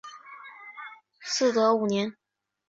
嗣德五年。